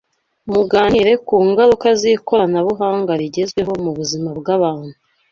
Muganire ku ngaruka zikoranabuhanga rigezweho mubuzima bwabantu